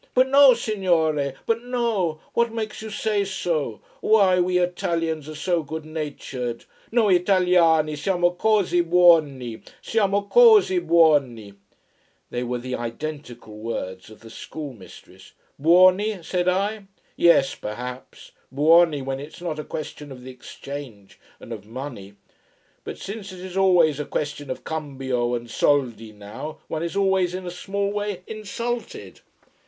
"But no, signore. But no. What makes you say so? Why, we Italians are so good natured. Noi Italiani siamo così buoni. Siamo così buoni." It was the identical words of the schoolmistress. "Buoni," said I. "Yes perhaps. Buoni when it's not a question of the exchange and of money. But since it is always a question of cambio and soldi now, one is always, in a small way, insulted."